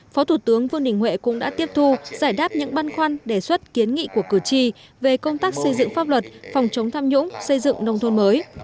phó thủ tướng vương đình huệ cũng đã tiếp thu giải đáp những băn khoăn đề xuất kiến nghị của cử tri về công tác xây dựng pháp luật phòng chống tham nhũng xây dựng nông thôn mới